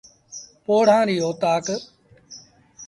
پوڙآ ريٚ اوتآڪ۔